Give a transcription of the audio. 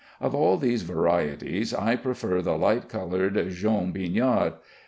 Of all these varieties, I prefer the light colored jaune Pinard.